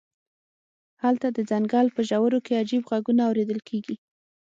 هلته د ځنګل په ژورو کې عجیب غږونه اوریدل کیږي